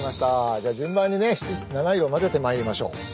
じゃあ順番にね７色まぜてまいりましょう。